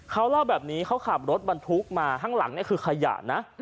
เขาเล่าแบบนี้เขาขับรถบรรทุกมาข้างหลังนี่คือขยะนะ